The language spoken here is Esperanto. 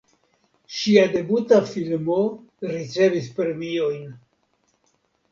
Ŝia debuta filmo ricevis premiojn.